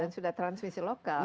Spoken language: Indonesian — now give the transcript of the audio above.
dan sudah transmisi lokal